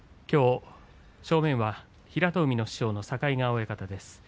きょう、正面は平戸海の師匠の境川親方です。